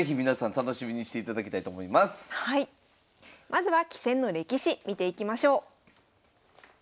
まずは棋戦の歴史見ていきましょう。